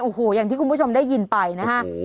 โอ้โหอย่างที่คุณผู้ชมได้ยินไปนะฮะ